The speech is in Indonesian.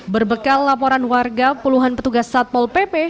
berbekal laporan warga puluhan petugas satpol pp